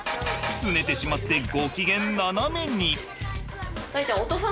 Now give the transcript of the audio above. すねてしまってご機嫌ななめに。